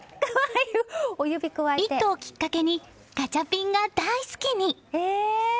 「イット！」をきっかけにガチャピンが大好きに。